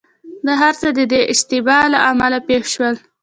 دا هرڅه دده د اشتباه له امله پېښ شول.